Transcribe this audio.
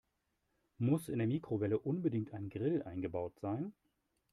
Muss in der Mikrowelle unbedingt ein Grill eingebaut sein?